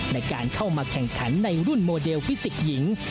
ในการเข้ามาแข่งขันในรุ่นโมเดลฟิสิกส์หญิง